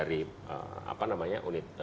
kritik itu ternyata cun uncle